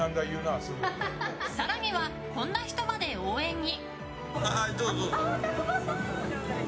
更には、こんな人まで応援に。